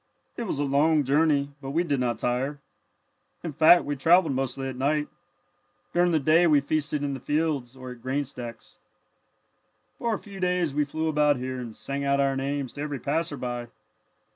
It was a long journey, but we did not tire. In fact we travelled mostly at night. During the day we feasted in the fields or at grain stacks. "For a few days we flew about here, and sang out our names to every passer by.